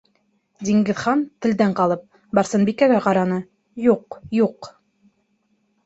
Диңгеҙхан, телдән ҡалып, Барсынбикәгә ҡараны: юҡ, юҡ!